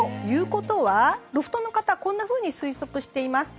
ロフトの方はこんなふうに推測しています。